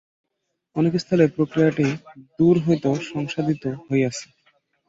অনেকস্থলে প্রক্রিয়াটি দূর হইতেও সংসাধিত হইয়াছে।